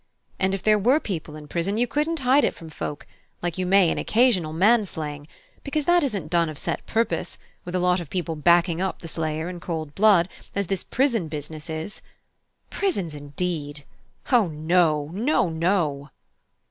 And if there were people in prison, you couldn't hide it from folk, like you may an occasional man slaying; because that isn't done of set purpose, with a lot of people backing up the slayer in cold blood, as this prison business is. Prisons, indeed! O no, no, no!"